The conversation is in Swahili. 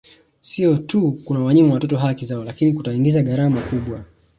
Sio tu kunawanyima watoto haki zao lakini kutaingiza gharama kubwa